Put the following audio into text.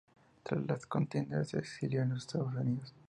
Tras la contienda, se exilió en los Estados Unidos.